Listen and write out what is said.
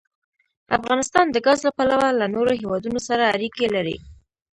افغانستان د ګاز له پلوه له نورو هېوادونو سره اړیکې لري.